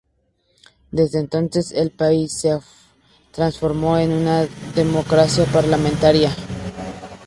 Desde entonces, el país se transformó en una democracia parlamentaria.